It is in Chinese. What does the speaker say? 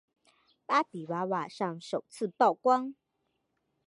芭比娃娃上首次曝光。